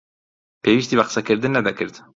پێویستی بە قسەکردن نەدەکرد.